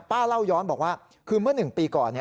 ป้าเล่าย้อนบอกว่าคือเมื่อหนึ่งปีก่อน